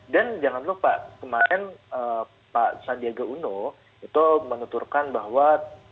dan jangan lupa kemarin pak sandiaga uno itu menuturkan bahwa